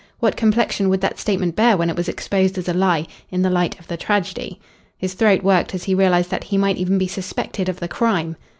What complexion would that statement bear when it was exposed as a lie in the light of the tragedy? His throat worked as he realised that he might even be suspected of the crime.